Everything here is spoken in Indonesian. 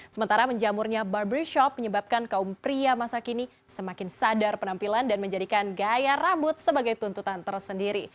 sementara menjamurnya barbershop menyebabkan kaum pria masa kini semakin sadar penampilan dan menjadikan gaya rambut sebagai tuntutan tersendiri